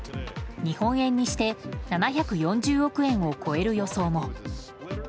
日本円にして７４０億円を超える予想も。